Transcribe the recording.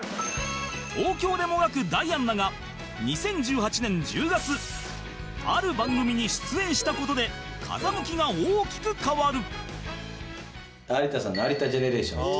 東京でもがくダイアンだが２０１８年１０月ある番組に出演した事で風向きが大きく変わる